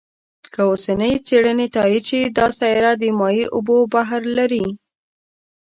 که اوسنۍ څېړنې تایید شي، دا سیاره د مایع اوبو بحر لري.